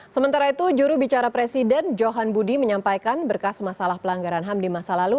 sementara itu jurubicara presiden johan budi menyampaikan berkas masalah pelanggaran ham di masa lalu